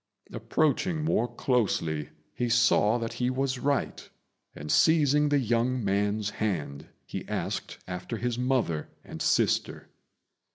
Approaching more closely, he saw that he was right; and, seizing the young man's hand, he asked after his mother and sister.